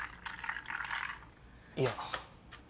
いや。